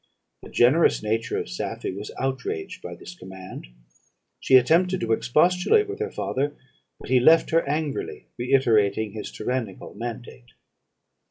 The generous nature of Safie was outraged by this command; she attempted to expostulate with her father, but he left her angrily, reiterating his tyrannical mandate.